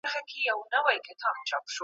د بحث ګټه څه ده؟